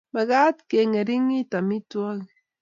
mekat keng'eringit amitwogik